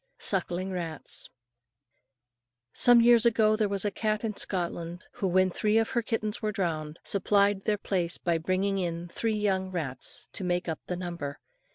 SUCKLING RATS. Some years ago there was a cat in Scotland who, when three of her kittens were drowned, supplied their place by bringing in three young rats to make up the number.